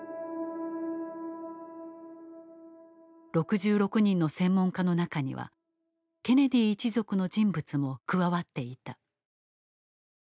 ６６人の専門家の中にはケネディ一族の人物も加わっていた。